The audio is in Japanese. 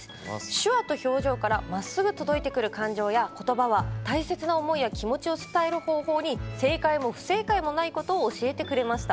手話と表情からまっすぐ届いてくる感情や言葉は大切な思いや気持ちを伝える方法に正解も不正解もないことを教えてくれました。